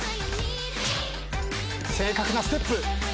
正確なステップ。